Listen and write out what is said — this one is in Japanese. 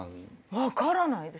分からないです。